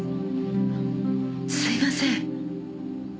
すみません。